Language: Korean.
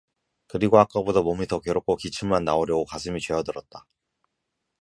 그리고 아까보다 몸이 더 괴롭고 기침만 나오려고 가슴이 죄어들었다.